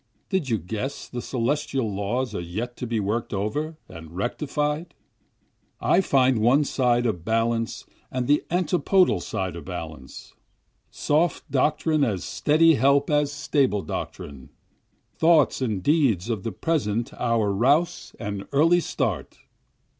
Did you guess the celestial laws are yet to be work'd over and rectified? I find one side a balance and the antipedal side a balance, Soft doctrine as steady help as stable doctrine, Thoughts and deeds of the present our rouse and early start.